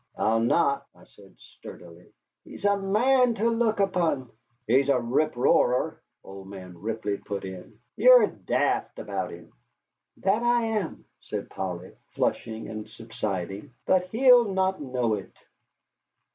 "I'll not," I said sturdily. "He's a man to look upon " "He's a rip roarer," old man Ripley put in. "Ye're daft about him." "That I am," said Polly, flushing and subsiding; "but he'll not know it."